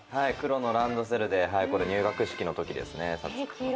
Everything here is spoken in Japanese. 黒のランドセルでこれ入学式のときですね。